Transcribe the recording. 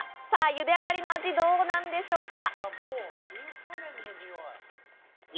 ゆで上がりの味、どうなんでしょうか？